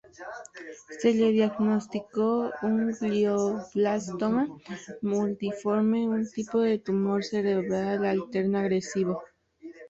Se le diagnosticó un glioblastoma multiforme, un tipo de tumor cerebral altamente agresivo.